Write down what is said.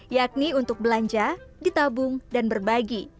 yakni untuk belanja ditabung dan berbagi